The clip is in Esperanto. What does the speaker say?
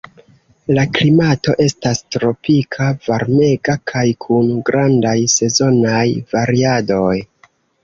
La klimato estas tropika, varmega kaj kun grandaj sezonaj variadoj.